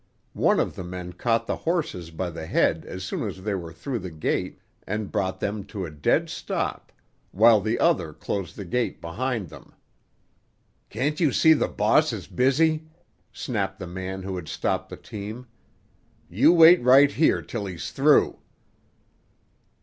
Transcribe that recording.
One of the men caught the horses by the head as soon as they were through the gate, and brought them to a dead stop, while the other closed the gate behind them. "Can't you see the boss is busy?" snapped the man who had stopped the team. "You wait right here till he's through."